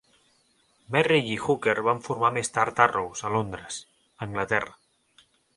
Merrill i Hooker van formar més tard Arrows a Londres, Anglaterra.